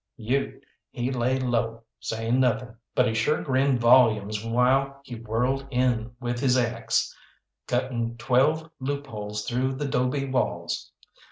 Ute, he lay low, saying nothing, but he sure grinned volumes while he whirled in with his axe, cutting twelve loopholes through the 'dobe walls.